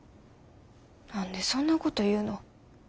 何でそんなこと言うの？